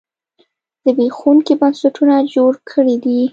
زبېښونکي بنسټونه جوړ کړي دي.